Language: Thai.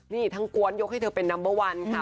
นี่ทั้งกวนยกให้เธอเป็นนัมเบอร์วันค่ะ